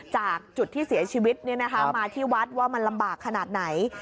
จากจุดที่เสียชีวิตมาที่วัดว่ามันลำบากขนาดไหน